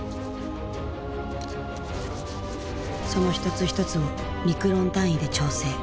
その一つ一つをミクロン単位で調整。